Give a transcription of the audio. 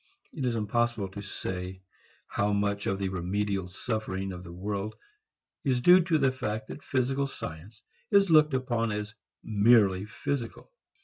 It is impossible to say how much of the remediable suffering of the world is due to the fact that physical science is looked upon as merely physical.